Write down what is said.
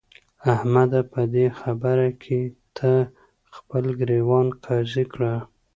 احمده! په دې خبره کې ته خپل ګرېوان قاضي کړه.